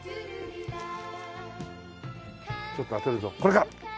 ちょっと当てるぞこれか！